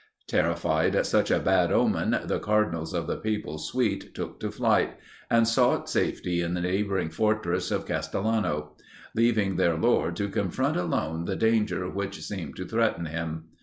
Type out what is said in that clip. Terrified at such a bad omen, the cardinals of the papal suite took to flight, and sought safety in the neighbouring fortress of Castellano; leaving their lord to confront alone the danger which seemed to threaten him.